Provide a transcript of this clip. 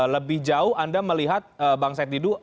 lebih jauh anda melihat bang said didu